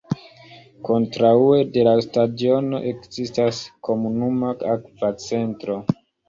Kontraŭe de la stadiono, ekzistas komunuma akva centro.